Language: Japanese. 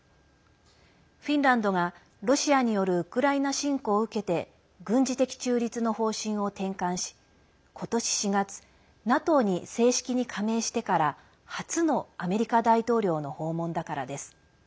フィンランドがロシアによるウクライナ侵攻を受けて軍事的中立の方針を転換し今年４月ＮＡＴＯに正式に加盟してから初のアメリカ大統領の訪問だからです。